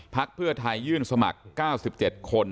เพื่อไทยยื่นสมัคร๙๗คน